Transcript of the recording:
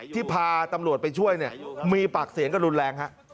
ที่พาตำรวจไปช่วยมีปากเสียงก็รุนแรง